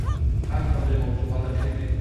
هر ژوندی موجود وده کوي